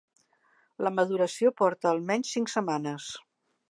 La maduració porta almenys cinc setmanes.